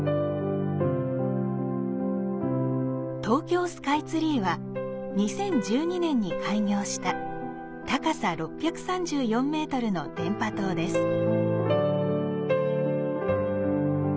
東京スカイツリーは２０１２年に開業した高さ６３４ｍの電波塔です。